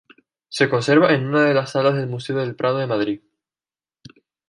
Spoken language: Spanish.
Se conserva en una de las salas del Museo del Prado de Madrid.